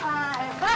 kamu tuh anak pintar